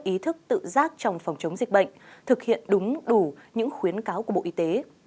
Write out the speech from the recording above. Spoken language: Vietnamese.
ý thức tự giác trong phòng chống dịch bệnh thực hiện đúng đủ những khuyến cáo của bộ y tế